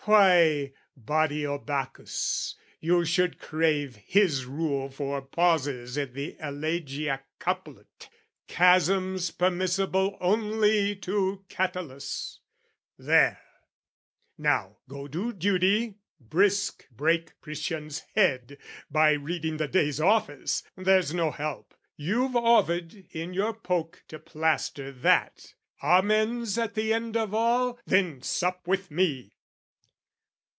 "Why, body o' Bacchus, you should crave his rule "For pauses in the elegiac couplet, chasms "Permissible only to Catullus! There! "Now go do duty: brisk, break Priscian's head "By reading the day's office there's no help. "You've Ovid in your poke to plaster that; "Amen's at the end of all: then sup with me!"